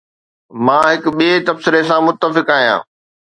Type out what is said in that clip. مان هڪ ٻئي تبصري سان متفق آهيان